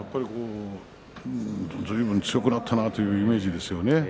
ずいぶん強くなったというイメージですよね。